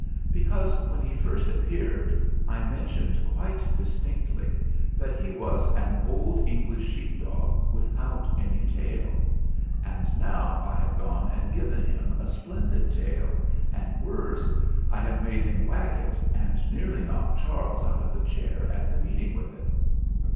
Because, when he first appeared, I mentioned quite distinctly that he was an old English sheep dog without any tail; and now I have gone and given him a splendid tail, and, worse, I have made him wag it, and nearly knock Charles out of the chair at the meeting with it.